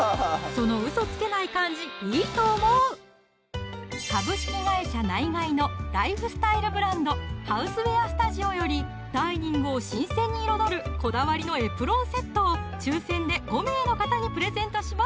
そのウソつけない感じいいと思うナイガイのライフスタイルブランド「ＨＯＵＳＥＷＥＡＲＳＴＵＤＩＯ」よりダイニングを新鮮に彩るこだわりのエプロンセットを抽選で５名の方にプレゼントします